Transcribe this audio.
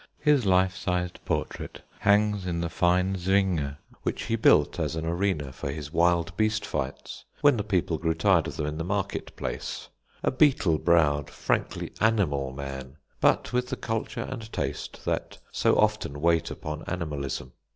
His life sized portrait hangs in the fine Zwinger, which he built as an arena for his wild beast fights when the people grew tired of them in the market place; a beetle browed, frankly animal man, but with the culture and taste that so often wait upon animalism.